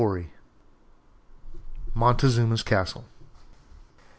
] MONTEZUMA'S CASTLE.